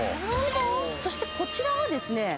そしてこちらはですね